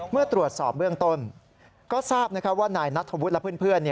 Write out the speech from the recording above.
เมื่อตรวจสอบเบื้องต้นก็ทราบว่านายนัทธวุฒิและเพื่อน